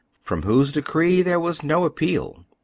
from whose decree there was no appeal.